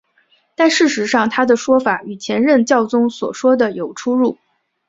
但事实上他的说法与前任教宗所说的有出入。